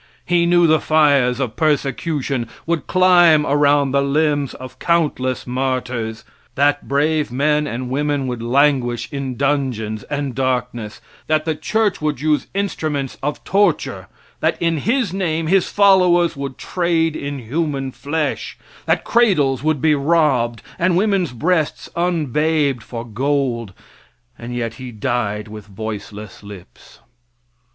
He knew the fires of persecution would climb around the limbs of countless martyrs; that brave men and women would languish in dungeons and darkness; that the church would use instruments of torture; that in His name His followers would trade in human flesh; that cradles would be robbed and women's breasts unbabed for gold, and yet He died with voiceless lips.